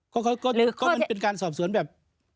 ก็มันเป็นการสอบสวนแบบ